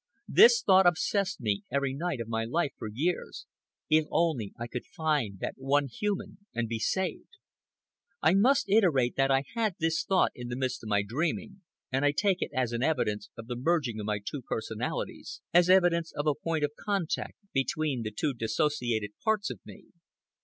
This thought obsessed me every night of my life for years—if only I could find that one human and be saved! I must iterate that I had this thought in the midst of my dreaming, and I take it as an evidence of the merging of my two personalities, as evidence of a point of contact between the two disassociated parts of me.